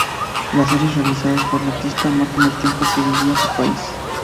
Las series realizadas por la artista, marcan el tiempo que vivía su país.